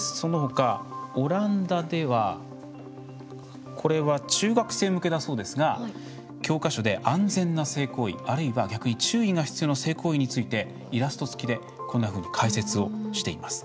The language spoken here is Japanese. オランダではこれは中学生向けだそうですが教科書で安全な性行為あるいは逆に注意が必要な性行為についてイラスト付きで解説をしています。